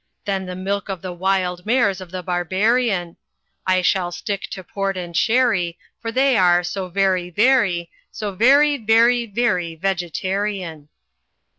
Than the milk of the wild mares of the Barbarian; I will stick to port and sherry. For they are so very, very. So very, very, very Vegetarian.